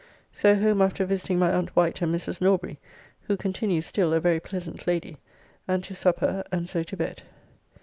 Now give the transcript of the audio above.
So home after visiting my aunt Wight and Mrs. Norbury (who continues still a very pleasant lady), and to supper, and so to bed.